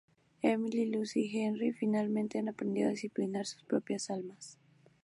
Emily, Lucy y Henry finalmente han aprendido a disciplinar sus propias almas.